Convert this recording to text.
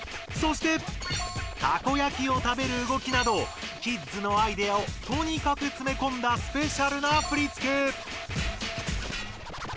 そしてたこ焼きを食べる動きなどキッズのアイデアをとにかくつめこんだスペシャルな振付。